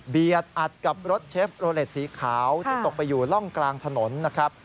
อัดกับรถเชฟโรเลสสีขาวที่ตกไปอยู่ร่องกลางถนนนะครับ